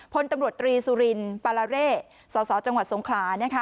พลตำรวจตรีสุรินปลาระเรสสจังหวัดสงครา